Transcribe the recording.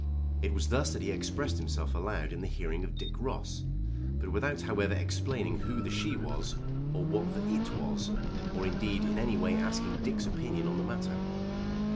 It was thus that he expressed himself aloud in the hearing of Dick Ross; but without however explaining who the she was, or what the it was, or indeed in any way asking Dick's opinion on the matter.